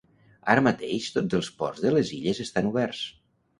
Ara mateix tots els ports de les Illes estan oberts.